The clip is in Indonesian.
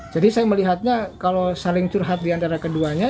jadi saya melihatnya kalau saling curhat di antara keduanya